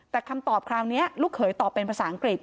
แต่คำตอบคราวนี้ลูกเขยตอบเป็นภาษาอังกฤษ